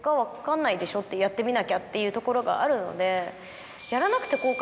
やってみなきゃっていうところがあるので。